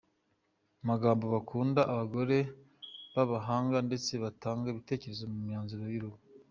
Abagabo bakunda abagore b’abahanga ndetse batanga ibitekerezo mu myanzuro y’urugo.